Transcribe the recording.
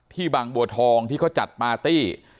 ที่บางบัวทองที่ก็จัดพาร์ตี้